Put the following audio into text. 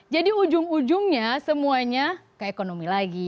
jadi ujung ujungnya semuanya ke ekonomi lagi